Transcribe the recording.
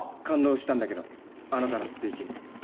感動したんだけどあなたのスピーチに。